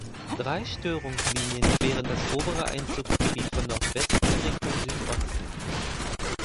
Drei Störungslinien queren das obere Einzugsgebiet von Nordwesten in Richtung Südosten.